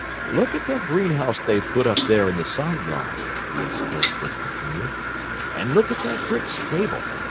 "Look at that greenhouse they've put up there in the side yard," the escort would continue. "And look at that brick stable!